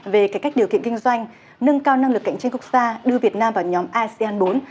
về cải cách điều kiện kinh doanh nâng cao năng lực cạnh tranh quốc gia đưa việt nam vào nhóm asean bốn